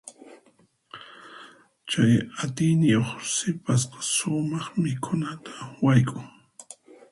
Chay atiyniyuq sipasqa sumaq mikhunata wayk'un.